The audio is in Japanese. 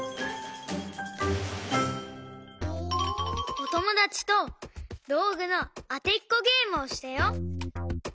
おともだちとどうぐのあてっこゲームをしたよ。